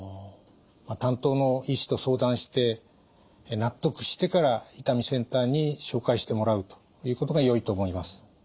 担当の医師と相談して納得してから痛みセンターに紹介してもらうということがよいと思います。